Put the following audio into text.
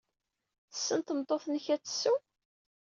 Tessen tmeṭṭut-nnek ad tesseww?